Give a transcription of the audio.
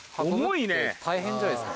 大変じゃないですか。